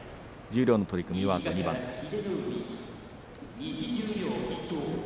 十両の取組は、あと２番です。